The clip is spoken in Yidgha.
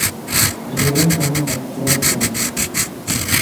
ژے ون جاہند اختیاط کیت